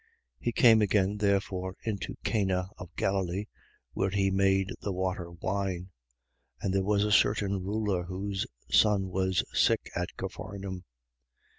4:46. He came again therefore into Cana of Galilee, where he made the water wine. And there was a certain ruler, whose son was sick at Capharnaum.